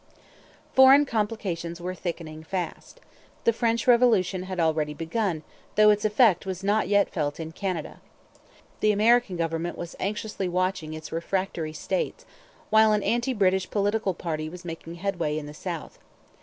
Foreign complications were thickening fast. The French Revolution had already begun, though its effect was not yet felt in Canada. The American government was anxiously watching its refractory states, while an anti British political party was making headway in the South.